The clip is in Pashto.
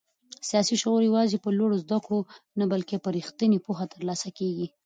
سیاسي شعور یوازې په لوړو زده کړو نه بلکې په رښتینې پوهه ترلاسه کېږي.